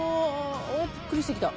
ぷっくりしてきた。